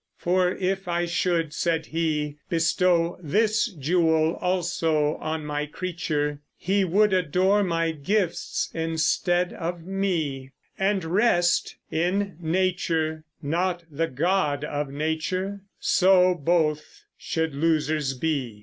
For, if I should, said he, Bestow this jewel also on my creature, He would adore my gifts instead of me, And rest in Nature, not the God of Nature: So both should losers be.